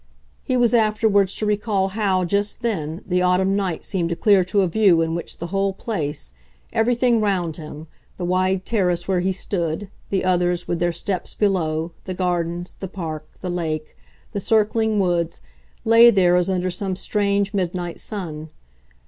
He was afterwards to recall how, just then, the autumn night seemed to clear to a view in which the whole place, everything round him, the wide terrace where he stood, the others, with their steps, below, the gardens, the park, the lake, the circling woods, lay there as under some strange midnight sun.